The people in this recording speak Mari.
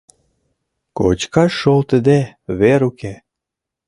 Кочкаш шолтыде вер уке.